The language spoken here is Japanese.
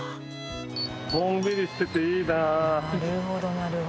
のんびりしてていいな。